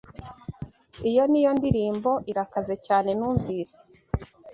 Iyo niyo ndirimbo irakaze cyane numvise.